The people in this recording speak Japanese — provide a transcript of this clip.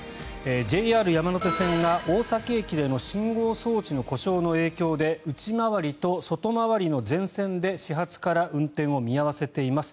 ＪＲ山手線が大崎駅での信号装置の故障の影響で内回りと外回りの全線で始発から運転を見合わせています。